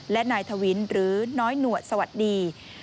และนายทวินหรือน้อยหนวดสวัสดี